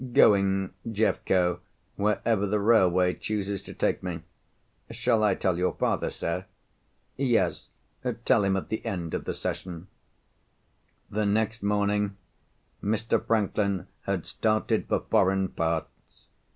"Going, Jeffco, wherever the railway chooses to take me." "Shall I tell your father, sir?" "Yes; tell him at the end of the session." The next morning Mr. Franklin had started for foreign parts.